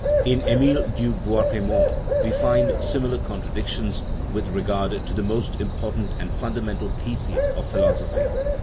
In Emil du Bois Reymond we find similar contra dictions with regard to the most important and funda mental theses of philosophy.